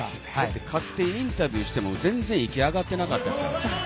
勝って、インタビューしても全然息が上がってなかったですからね。